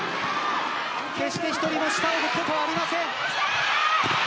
決して１人も下を向くことはありません。